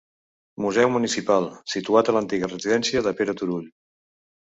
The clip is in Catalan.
Museu municipal, situat a l'antiga residència de Pere Turull.